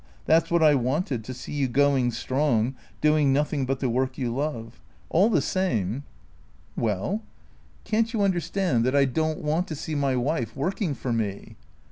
" That 's what I wanted, to see you going strong, doing nothing but the work you love. All the same " 322 THE CEEATOES " Can't you understand that I don't want to see my wife working for me